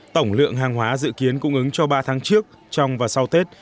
tổng lượng hàng hóa dự kiến cung ứng cho ba tháng trước trong và sau tết